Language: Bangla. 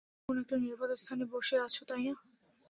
তুমি এখন একটা নিরাপদ স্থানে বসে আছো, তাই না?